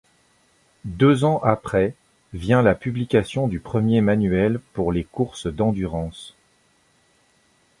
Deux ans après, vient la publication du premier manuel pour les courses d'endurance.